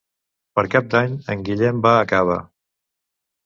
Per Cap d'Any en Guillem va a Cava.